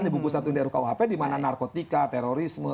di bungkus satu di rukuhp di mana narkotika terorisme